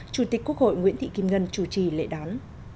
chủ tịch quốc hội nguyễn thị kim ngân chủ trì lễ đón